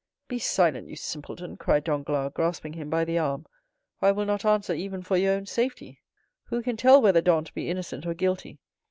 "Be silent, you simpleton!" cried Danglars, grasping him by the arm, "or I will not answer even for your own safety. Who can tell whether Dantès be innocent or guilty?